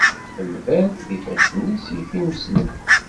Lberr, d ifassen-is i t-imeslen.